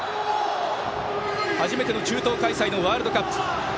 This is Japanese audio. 初めての中東開催のワールドカップ。